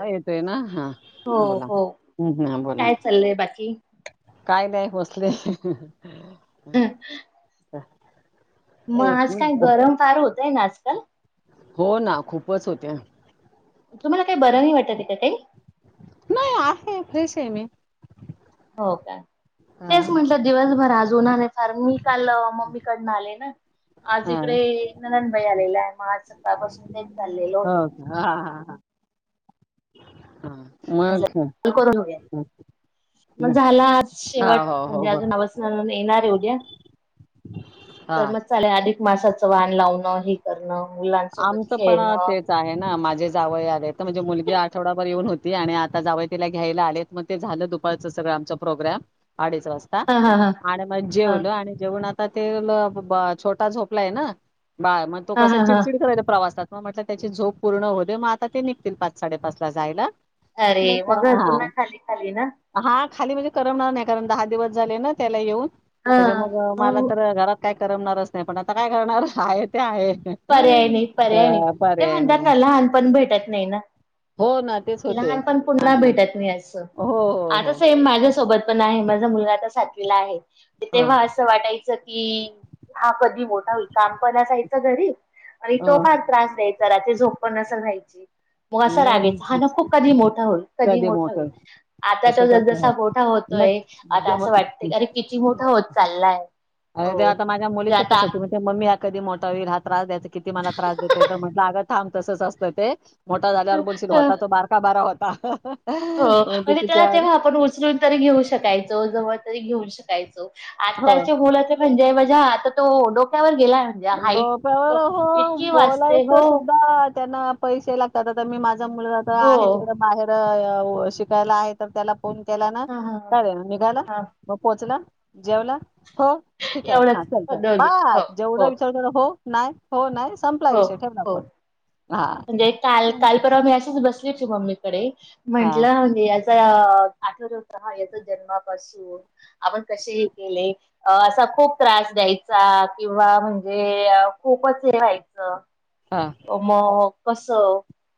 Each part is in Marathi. हा येतोय ना हा हो बोला हो हम्म हा बोला काय चाललंय बाकी काय नाही बसले हम म आज काय मिनिट गरम फार होत तय ना आजकाल. हो ना खूपच होतय. तुम्हाला काही बरं नाही वाटतय टतय. नई फ्रेश आहे मी. हो काय हा तेच म्हटलं दिवसभर आ [unintelligible] कारण मी काल मम्मीकडन आले ना. आज हा इकडे नंदण बाई आलेल्या आहे मग आज सकाळपासून तेच चाललेल होतं. हो का? हा [unintelligible] [unintelligible] मग मासाचं हा हो हो ब हा वान लावणं हे करणं मुलांसोबत आमचं खेळणं पणअ तेच आहे ना माझे जावई आले आहे आहेत तर म्हणजे मुलगी आठवडाभर येऊन होत ती आणि आता जावई तीला घ्यायला आलेत मग ते झालं दुपारचं सगळं आमचा प्रोग्राम अडीच वाजता हा हा हा आणि मग हा जेवल आणि जेवणात आता ते ल बा छोटा झोपलाय ना. बाळ मग तो हा कसा हा हा चिडचिड करायचा प्रवासात. मग म्हटलं त्याची झोप पूर्ण होऊदे मग आता ते निघतील पाच साडेपाच ला जायला. अरे म्हटलं त- मग घर पुन्हा हा खाली खाली ना. हा खाली म्हणजे करमणार नाही कारण दहा दिवस झाले ना त्याला येऊन. हा त्याच्या मग मला मग तर घरात काय करमणारच नाही पण आता काय करणार आहे ते आहे पर्याय नाही पर्याय नाही अ ते पर्याय म्हणतात नाही ना लहानपण भेटत नाही ना हो ना तेच होते लहानपण ह पुन्हा ह भेटत नाही असं हो हो आता हो सेम माझ्यासोबत पण आहे माझा मुलगा आता साातवीला आहे. हो तेव्हा असं वाटायचं की हा कध धी मोठा होईल काम करण्यासाठी घरी आणि अ, तो अ, फार त्रास द्याय रात्री झोप पण नसेल व्हायची. मग असा राग यायचा हा न खूप कधी मोठा होईल कधी मोठा होईल आता तस तसच असत जसा मोठा मग होतोय आता ज- असं वाटतय की अरे किती मोठा होत चाललाय अरे ते हो आता माझ्या म्हणजे मुलीचं आता कसं ती म्हणती मम्मी आत कधी मोठा होईल त्रास द्यायचा किती मला त्रास देतोय तर म्हटलं आवर थांब तसंच असतं ते मोठा झाल्यावर बोलशील होता तो बारका बरा होत ह हा ह हो म्हणजे त्याला तेव्हा त्याला आपण उचलून तरी घेऊ शकाल तू जवळजवळ तरी घेऊन शिकायचो हो आत्ताचे बोल असे पण जे म्हणजे हा आता तो डोक्यावर गेलाय म्हणजे हाईट डोप्यावर हो इतकी वाचते हो बोलायचं सुद्धात त्यांना पैसे लागतात आता मी माझ मुलगा तर हो आहे तिकडे बाहेर अहो शिकायला आहे तर त्याला फोन केला ना ह ह काय झालं निगाला ह मग पोचला जेवला हो ठीक आहे हा एवढंच चल चल दोन मिनिट हो बाय जेवढा हो होणार होणार हो हो म्हणजे काल काल परवा मी असच बसले जायचे मम्मीकडे हा म्हंटल होऊ द्या आज आ आठ हा येतो जन्मापासून हो आपण कसे हे केले असा खूप त्रास द्यायचा किंवा म्हणजे खूपच हे व्हाय च. हा [unintelligible] कस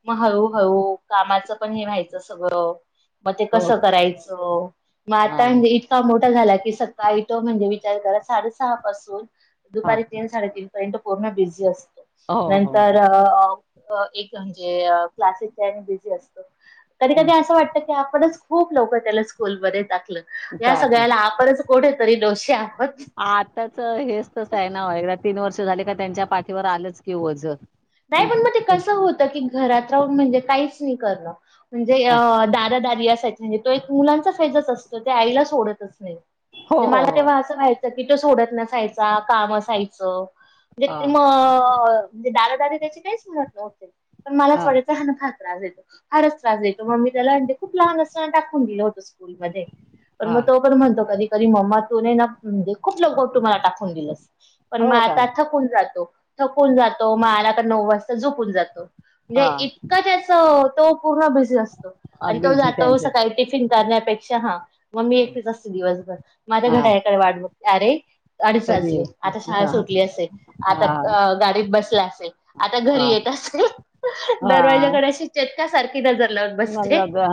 मग हळूहळू कामाचं पण हे व्हायचं सगळं मग ते हो कसं करायचं मग हा आता हेच काम अभ्यास झाल की सकाळी तो विचार करायचा साडेसहा पासून हा दुपारी तीन साडेतीन काय तो पूर्ण बिझी असतो हो हो. तर एक म्हणजे क्लासेस च्या ह्यान बिझी असतो. कधी हम्म कधी असं वाटत की आपणच खूप लोक त्याला स्कूलमध्ये टा या चालेल सगळ्याला आपणच कोठ तरी डोशी आताच हेच तस आहे ना व तीन वर्ष झाले का त्यांच्या पाठीवर आलंच कि ओझ नाही पण मग ते कसं होत की घरात म्हणजे काहीच नाही करण म्हणजे ह अ दादा दारी अस म्हणजे तो एक मुलांचा फैजच असतो ते आईला सोडतच नाही. हो म्हणजे हो मला हो तेव्हा असं व्हायचं ति तो सोडत नसायचा काम असायचं हा जिथ म म्हणजे दारा दारी त्याची काहीच मत नव्हते पण मलाच वाटायचं हा ना फार त्रास देतो. फारच त्रास देतो मम्मी त्याला आणते खूप लहान असं टाकून दिलं होतं स्कु स्कूल मध्ये पण मग हा तो पण म्हणतो कधी तरी मम्मा तु ना म्हणजे खूप लवबट तुम्हाला टाकून दिलंस. पण मग हो का आता थकून जातो. थकून जातो म आला नऊ वाजता झोपुन जातो. म्हणजे हा इतकं त्याच तो पूर्ण बीझी असतो आणि तो बीजी जातो त्यांचे सकाळी टिफिन करण्यापेक्षा हा मग मी एकटीच असते दिवसभर माझा हा घड्याळाकडे वाट बघते, अरे अडीच कधी वाजले येईल? आता शाळा हा सुटली असेल, हा आता गाडीत बसला असेल घरी हा येत असतो हा दरवाज्याकडे अशी का सार मला ब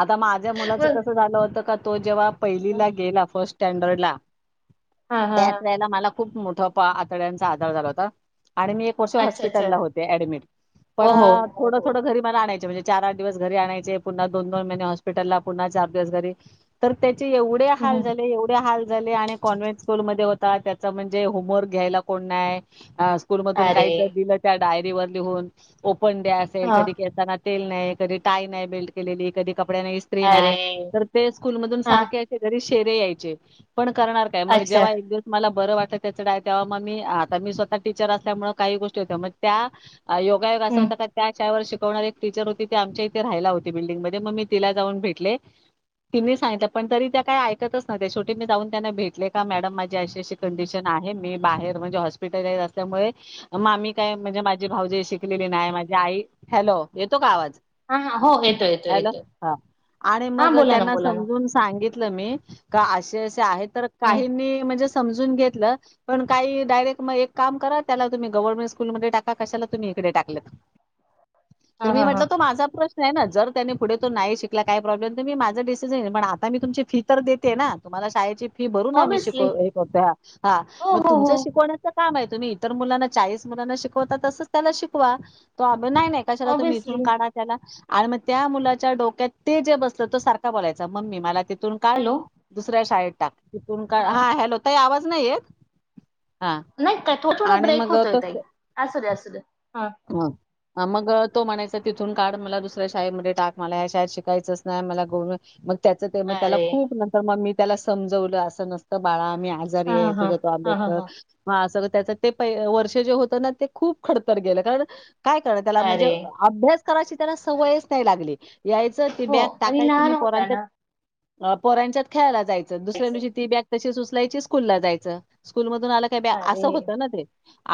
आता माझ्या मुलाच मग कसं झालं होतं का तो जेव्हा पहिलीला गेला फर्स्ट स्टॅडर्डला हा हा त्याच हा वेळेला मला खूप मोठा पा आतड्यांचा आजार झाला होता. आणि मी एक वर्ष अच्छा अच्छा हॉस्पिटलला होते ऍडमिट पण ओहो थोडं थोडं ओहो घरी मला आणायच म्हणजे चार आठ दिवस घरी आणायचे पुन्हा दोन दोन महिने हॉस्पिटलला पुन्हा चार दिवस घरी तर ते ते एवढे हाल झाले एवढे हाल झाले आणि कॉन्व्हेंट स्कूल मध्ये होता त्याचा म्हणजे होमवर्क घ्यायला कोण नाय. ह स्कूल मधून काही अरे तर दिलं त्यात डायरीवर लिहून फनडे असेल हा कधी केसाना तेल नाय कधी टाय नाय बेल्ट केलेली कधी कपड्यांना इस्त्री अरे नाय तर ते स्कूल मधुन हा सारखे शेरे यायचे पण करणार काय मग अच्छा जेव्हा एक दिवस मला बर वाट त्याच डाय तेव्हा म मी आता मी स्वतः टीचर असल्यामुळे काही गोष्टी होत्या म त्या योगायोग असा हम्म होता का त्या चार वर्ष कवणारे एक टीचर हो तिथे आमच्या इथे राहायला होते बिल्डिंग मध्ये मग मी तिला जाऊन भेटले तिनी सांगितलं पण तरी त्या काय ऐकतच नव्हत्या शेवटी मी जाऊन त्यांना भेटले का मॅडम माझी अशी अशी कंडिशन आहे मी बाहेर म्हणजे हॉस्पिटलला येत असल्यामुळे मामी काय म्हणजे माझी भावजय शिकलेली नाय माझी आई हॅलो येतो का आवाज हा हा हो येतो येतो हॅलो येतो हा आणि हा मग बोला ना त्यांना बोला ना समजून सांगित तल मी का असे असे आहेत. तर हम्म काहीनी म्हणजे काडरे तुम् ग्हम कशा तुम्ही इडे टाक हा मी हा हा म्हटल माझा प्रश्न आहे ना जर त्यानी पुढे तो नाही शिकला काय प्रॉब्लेम तर मी माझं डिसिजन पण आता मी तुमची फी तर देते ना तुम्हाला शाळे ही भरून आम्ही ऑब्विसली शिकभ्या हा हो मग हो हो तुमचा शिकवण्याचा का मा आहे तुम्ही इतर मुलांना चाळीस मुलांना शिकवता तसच त्याला शिकवा तो नाही कशाला तु् ऑब्विसली काढा त्याला आणि मग त्या मुलाच्या डोक्यात ते जे बसलं तो सारखा बोलायचा मम्मी मला का हॅलो दुसऱ्या शाळेत तक तिथून का हा हॅलो त आवाज नाही येत हा नाही काय थोडा थोडा आणि ब्रेक होतोय ताई असं असत दे हा कोण मग तो म्हणायचा तिथून काढ मला दुसऱ्या शाळेमध्ये टाक मला ह शाळेत शिकायचंच नाही मला गो मग त्याच ते मग त्याला अरे खूप नंतर मग मी त्याला समजवलं असं नसतं बाळाा मी हा आजारी हा आहेझ हा हा तो हा अस त्याच ते प वर्ष जे होत ना ते खूप खडतर गेलं हण काय करा त्याला म्हणजे अरे अभ्यास कराची त्याला सवयच नाही लागली यायचं ती हो बॅग आणि टाकायची लहान नाही होता पोरांच्या ना अ पोरांच्यात खेळायला यच दुऱ्या दिवशी ती बॅग तशीच उचलायच स्कूल ला जायचं स्कूल मधून आला का ब अरे असं होत ना ते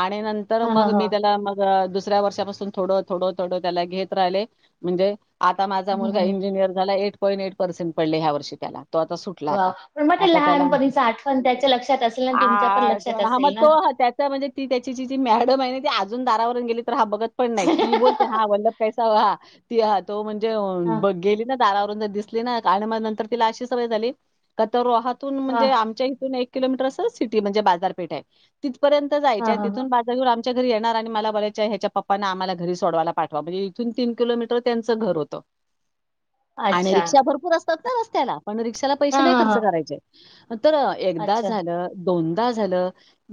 आणि नंतर हा हा मग हा मी त्याला मग दुसऱ्या वर्षापासून थोड थोडं थोडं त्याला घेत राहिले म्हणजे आता माझा मुलगा हम्म इंजिनियर झाला एट पॉईंट एट पर्सेंट पडले ह्या वर्षी त्याला तो आता सुटला वाव आता पण मग ते आता त्याला लहानपणीच आठवण त्याच्या लक्षात असेल ना आ तुमच्या पण लक्षात ह मग असेल ना तो त्याचा म्हणजे ती त्याची जी जी मॅडम आहे ना ते आज - - इथून दारावरुन गे - - हा बघत पन नाही. ती बोलते हा [unintelligible] ा हा तो म्हण हा - - ब गेली ना दारावरून दि तिला अशी सवय झाली. का तरु [unintelligible] इथून हा म्हणजे आमच्या इथून एक - - किलोमीटर असं सिटी म्हणजे बाजारपेठ हाय ती - - तिथपर्यंत हा जायच्या हा हा तिथून भाज्या घेऊन आ - - च्या घरी येणार आणि - - मला बोलायच्या ह्याच्या पप्पाना आम्हाला घरी सोडवायला पाठवा. म्हणजे इथून तीन किलोमीटर त्यांचं घर होतं. आणि अच्छा रिक्षा भरपूर अस - - फक्त रसत्याला - - पण रिक्षाला हा पैसे नाही हा खर्च हा करायचे. ह तर एकदा अच्छा झालं - - दोनदा झालं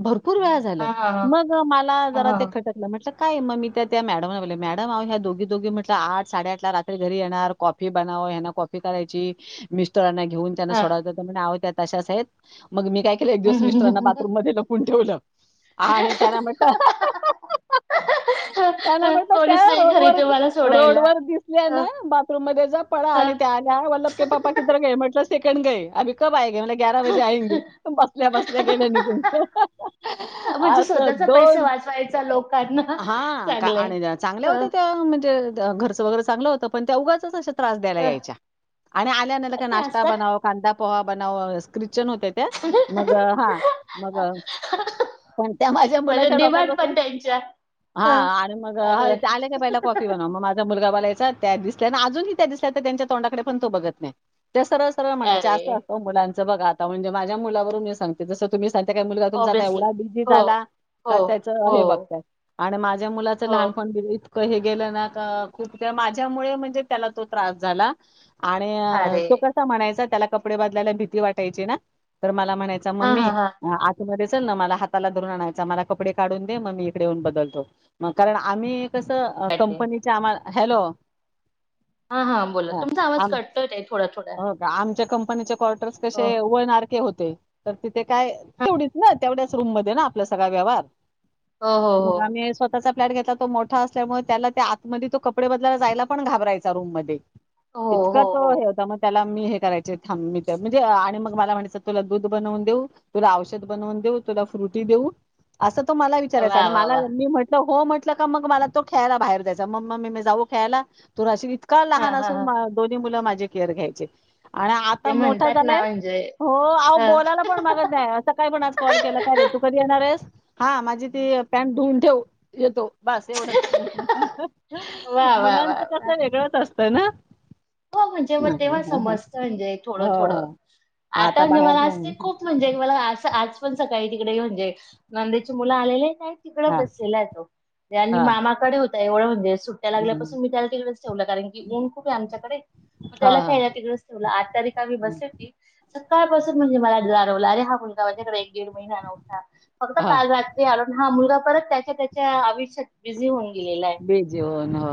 भर--. पूर वेळा हा झालं हा मग मला हा जरा हा ते - हा - म्हटलं काय मी त्या त्या मॅडम ला बोलो मॅडम आओ या दोघी दोघी म्हटलं आठ साडे आठ ला रात्री घरी येणार ‌कॉफी बनव यांना कॉफी करायची मिस्ट राना घेउन त्यांना हा सोडवाय जातो म्हणे आओ त्या - - तशाच हैत मग मी काय केलं एक दिवस मिस्टराना हम्म. बाथरूम मध्ये लपवून ठेवलं. आणि त्याना म्हटलं. त्याना म्हणटल त्या कोणीच नाही घरी रोडवर तुम्हाला सोडायला रोडवर दिसल्या ह ना बाथरूम मध्ये जा पळा ह आणि त्या आल्या वल्लभ के पा्पा किधर गऐ म्हटलं. सेकंड गए अभी कब आय मी म्हणटल ग्यारा बजे आएगें बसल्या बसल्या गेल्या निघून म्हणजे अस स्वतःचा पैसा दोन - - वाचवायचा लोकांना हा का चांगलंय. आणि चांगल्या होत्या त्या म्हणजे घर - - नवरा चांगला होता पण त्या उगाच अश्या त्रास द्यायला अह, यायच्या आणि आल न आल्या की ते नाश्ता असतात. बनव कांदाप पोहा बनव खि ख्रिश्चन होत्या त्या मग हा मग पण त्या माझ्या म्हणजे मुलाच्या डोक्यात डिमांड पण बसून- त्यांच्या - हा हं आणि मग चांगलंय. ह आले का पहिला कॉफी बनव मग माझा मुलगा बोला त्या दिस त्यांना अजूनही त्या दिसल्या त्यांच्या तोंडाकडे पण तो बघत नाही त्या सरळ सरळ म्हणायचे अरे असं असतं मुलां बघा आता म्हणजे माझ्या मुलावरून मी सांगते जस तुम्ही त्या काही मुलगातून जाता ऑब्विसली एवढा बिझी हो. झाला हो का त्याचं हो हे बघ आणि माझ्या मुलाचं हो लहानपण बि कही गेलं ना का खूप माझ्यामुळे म्हणजे त्याला तो त्रास झाला आणि अरे तो कसा म्हणायचा त्याला कपडे बदलायला भीती वाटायची ना तर मला म्हणायचा हा मम्मी हा हा आतमध्ये चल ना मला हाताला धरून आणायच मला कपडे काढून दे मग म येऊन बदलतो मग कारण आम्ही कसं कळते. कंपनीच्या आम्हाला हॅलो हा हा बोला तुमचा आवाज कटतोय ताई थोडा थोडा कोर्टर्स हो कसे वन आर के होते तर तिथे काय तेवढीच ना तेवढ्याच रूम मध्ये ना आपला सगळा व्यवहार हो हो मग हो. आम्ही स्वतःचा फ्लॅट घेतला तो मोठा असल्यामुळे त्याला आतमध्ये तो कपडे बदलायला जायला पण घाबरायचा रूम मध्ये हो इतका हो तो हो हे होता मग त्याला मी त्याला हे करायचे थांब म्हणजे आणि मग तो मला म्हणायचा तुला दूध बनवून देऊ तुला औषध बनवून देऊ का फ्रुटी वा आणि वा मला वा मी म्हटलं हो म्हटलं का मग मला तो खेळायला बाहेर जायचा मग मम्मी मी जाऊ खेळायला तु इतका हा लहान हा असून हा दोन्ही मुलं माझी केअर घ्यायचे आणि ते आता मोठा म्हणतात ना झालाय म्हणजे हो आता बोलायला पण मागत नाही आज सकाळी पण ह कॉल केला काय रे तू कधी येणार आहेस हा माझी ती पॅन्ट धुवून ठेव येतो बस एवढच वा वा वा मुलांचं वा. कसं वेगळंच असत असतं ना हो म्हणजे मग तेव्हा समजत म्हणजे हो, थोडं थोडं हो. आता म्हणजे बाहेर मला असते नाही. खूप म्हणजे मला अस पण सकाळी तिकडे म्हणजे नंदेचे मुलं आलेले नाही तिकड हां, बसला आहे तो आणि हां. मामाकडे हो तैवड मध्येच सुट्ट्या हं. लागल्यापासून मी त्याला तिकडेचं ठेवलं कारण, की ऊन खूप आहे आमच्याक- मग त्याला हां, हां. खेळायला तिकडचं ठेवल. आता रिकामी हं. बसली होती - सकाळपासून म्हणजे मला जाणवलं, अरे हा मुलगा माझ्याकडे एक दीड महिना नव्हता, फक्त हां. काल रात्री आलो. हा मुलगा परत त्याच्या -त्याच्या आयुष्यात बिझी होऊन- गेलेला आहे. बीजी होऊन हो.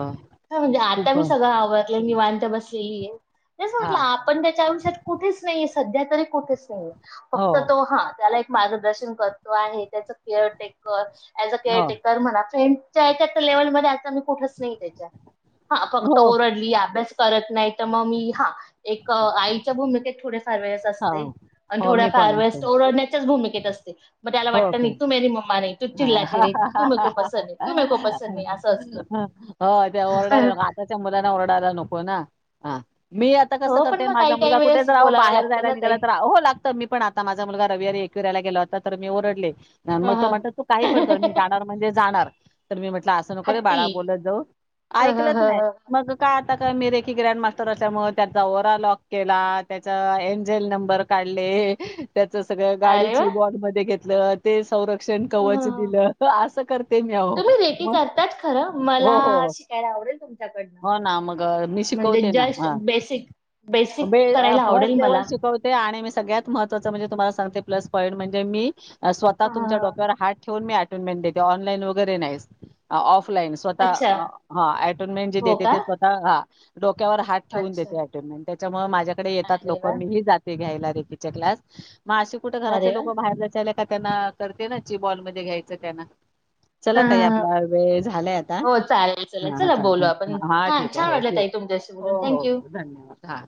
हा म्हणजे आता खूप मी सगळं आवरत- निवांत बसलेली आहे. जस म्हटलं, हां. आपण त्याच्या आयुष्यात, कुठेच नाही. सध्या तरी कुठेच नाही. हो, फक्त तो, हा, त्याला एक मार्गदर्शन करतो आहे. त्याच केअर टेकर. ऍज हो, केअरटेकर म्हणा. फ्रेंड च्या एकच लेवल मध्ये आता मी - कुठेच नाही त्याचा हा फक्त हो. ओरडली, अभ्यास. करत नाही त मग मी हा. एक आईच्या भूमिकेत फार वेळेस असते हां. आणि हो, थोड्या मी फार पण असते. वेळेस त ओरडण्याच्या च भूमिकेत असते मग त्याला हो वाटत नाही का? तू मेरी मम्मा नही, तू हां. चिल्लाती रेहती, तू मेरे को पसंद नही, तु मेरे कॊ पसंद नही अस हा, हो त्या ओरडायला असत. ह. मी आता कसं करते माझा मुलगा कुठे वेळेस जर अहो बोलावं बाहेर लागतं जाय ना निघाला ताई. तर हो लागत मी पण आता माझा मुलगा रविवारी येईल - फिरायला गेला होता, तर मी ओरडले. मग हं तो हं. म्हटला, तू काही पण कर, मी जाणार म्हणजे जाणार. तर मी म्हटलं, 'असं नको रे हट्टी. बाळा बोलत जाऊ. ' हं हं ऐकलच हं नाही, हं. मग काय - ता का मी रेकी ग्रँड मास्टर असल्यामुळे त्याचा ओरा लॉक केला त्याच- जेल नंबर काढले. त्याच सगळ्या अरे गाडीची वाह! बॉड मध्ये घेतली. तेच. संरक्षण हं कवच हं हं. दिलं. अस करते मी अहो, तुम्ही रेकी मग करतात खरं. मला हो हो. शिकायला आवडेल तुमच्याकडनं. हो ना मी म्हणजे शिकवते ना, जस्ट बेसिक अ बेसिक करायला आवडेल फर्स्ट लेवल मला. हं ते आणि मी सगळ्यात महत्वाचं म्हणजे तुम्हाला सांगते प्लस पॉईंट म्हणजे मी स्वतः हं तुमच्या हं. डोक्यावर हात ठेवून मी आची मेन्ट देते ऑनलाईन वैगरे नाही ऑफ ऑफलाईन स्वतः अच्छा. ह अटोनमेंट जे हो देते का? ते स्वतः हा. डोक्या वर हात ठेवून अच्छा. देते त्या मुळे माझी माझ्याकडे येतात अरे लोक म वाह! मीही जाते घ्यायला तच्या क्लास मग अशे कुठ अरे घरातले लोक वाह! बाहेर जायच्याय त्यांना करते नाची बॉलमध्ये घ्यायचं त्यांना चला हं तई हं हं. आपला वेळ झालाय आता हो चालेल चला. ह चला चा बोलू आपण. हा छान ठीक आहे छान हो वाटलं ठीक ताई तुमच्याशी हो बोलून. हो थँक्यू. हो धन्यवाद हा